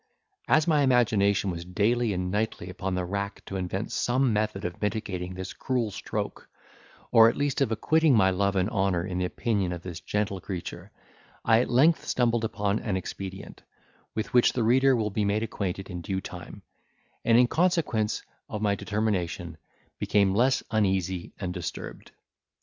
As my imagination was daily and nightly upon the rack to invent some method of mitigating this cruel stroke, or at least of acquitting my love and honour in the opinion of this gentle creature, I at length stumbled upon an expedient, with which the reader will be made acquainted in due time; and, in consequence of my determination, became less uneasy and disturbed.